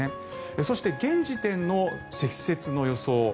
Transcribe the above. そして、現時点の積雪の予想。